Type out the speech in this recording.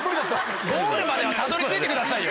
ゴールデンまではたどり着いてくださいよ。